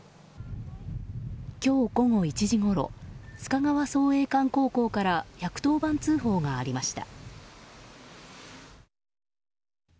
今日午後１時ごろ須賀川創英館高校から１１０番通報がありました。